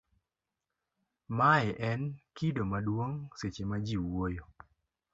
mae en kido maduong' seche ma ji wuoyo